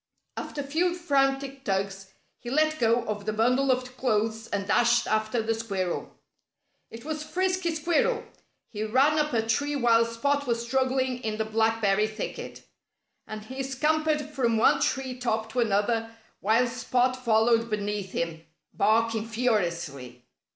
After a few frantic tugs he let go of the bundle of clothes and dashed after the squirrel. It was Frisky Squirrel. He ran up a tree while Spot was struggling in the blackberry thicket. And he scampered from one tree top to another while Spot followed beneath him, barking furiously.